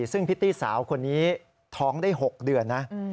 ซึ่งพิตตี้สาวคนนี้ท้องได้๖เดือนนะ